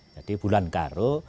jadi bulan karu